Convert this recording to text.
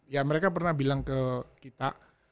ya mereka pernah bilang ke kita